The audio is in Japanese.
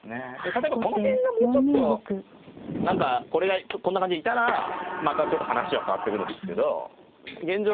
例えばこの辺がもうちょっと何かこれがこんな感じでいたらまたちょっと話は変わってくるんですけど現状